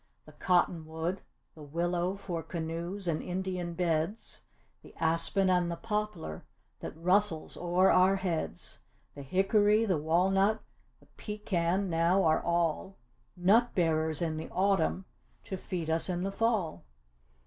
The cotton wood, the willow for canoes and Indian beds; The aspen and the poplar that rustles o'er our heads, The hickory, the walnut, the pecan, now are all Nut bearers in the autumn to feed us in the fall.